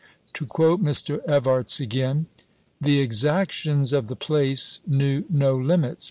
To quote Mr. Evarts again : The exactions of the place knew no limits.